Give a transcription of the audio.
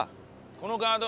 このガード。